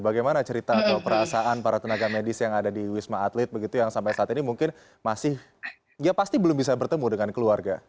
bagaimana cerita atau perasaan para tenaga medis yang ada di wisma atlet begitu yang sampai saat ini mungkin masih ya pasti belum bisa bertemu dengan keluarga